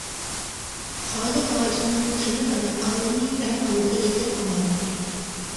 خالىق ھاجىمنىڭ كىمنى دەۋاتقانلىقىنى دەماللىققا ئېسىگە ئالالمىدى.